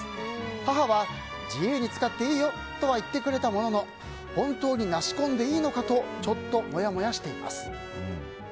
母は自由に使っていいよとは言ってくれたものの本当にナシ婚でいいのかとちょっとモヤモヤしています。